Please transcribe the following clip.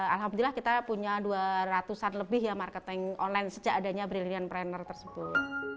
alhamdulillah kita punya dua ratus an lebih ya marketing online sejak adanya brilliant pranner tersebut